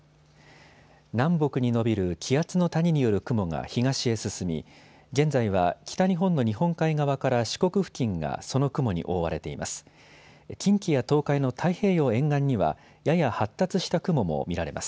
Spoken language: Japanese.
南北に延びる気圧の谷による雲が東へ進み現在は北日本の日本海側から四国付近がその雲に覆われています。